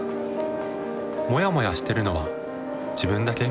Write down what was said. モヤモヤしてるのは自分だけ？